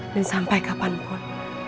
dan sampai kapanpun